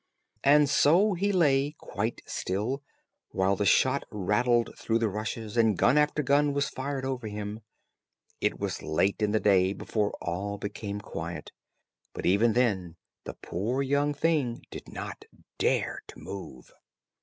And so he lay quite still, while the shot rattled through the rushes, and gun after gun was fired over him. It was late in the day before all became quiet, but even then the poor young thing did not dare to move.